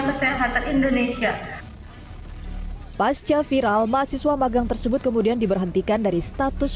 kesehatan indonesia pasca viral mahasiswa magang tersebut kemudian diberhentikan dari status